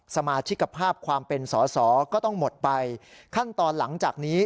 สมาชิกภาพความเป็นสอสอก็ต้องหมดไปขั้นตอนหลังจากนี้